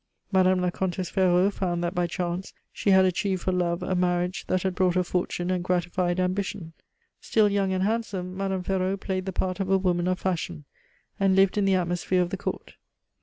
Madame la Comtesse Ferraud found that by chance she had achieved for love a marriage that had brought her fortune and gratified ambition. Still young and handsome, Madame Ferraud played the part of a woman of fashion, and lived in the atmosphere of the Court.